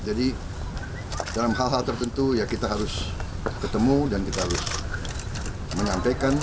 jadi dalam hal hal tertentu ya kita harus ketemu dan kita harus menyampaikan